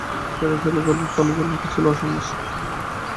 সে রাস্তায় লোকচলাচল ছিল সামান্য।